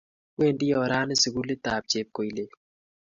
Wendi orani sukulit ap Chepkoilel